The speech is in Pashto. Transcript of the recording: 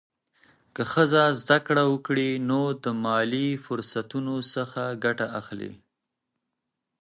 که ښځه زده کړه وکړي، نو د مالي فرصتونو څخه ګټه اخلي.